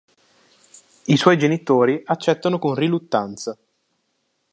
I suoi genitori accettano con riluttanza.